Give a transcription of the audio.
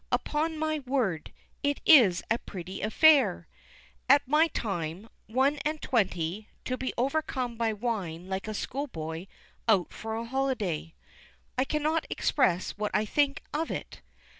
Upon my word, it is a pretty affair! At my time, one and twenty, to be overcome by wine like a schoolboy out for a holiday! I cannot express what I think of it.